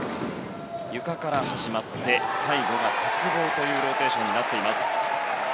ゆかから始まって、最後が鉄棒というローテーション。